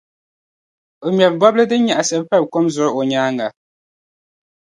O ŋmɛri bɔbili din nyaɣisira pari kom zuɣu o nyaaŋa.